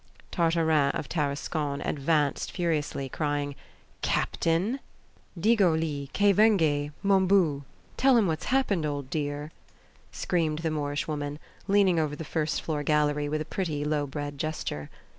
Tartarin of Tarascon advanced furiously, crying: "Captain!" "Digo li que vengue, moun bon! Tell him what's happened, old dear!" screamed the Moorish woman, leaning over the first floor gallery with a pretty low bred gesture!